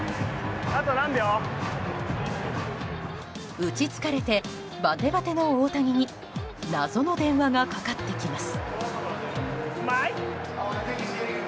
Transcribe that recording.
打ち疲れてバテバテの大谷に謎の電話がかかってきます。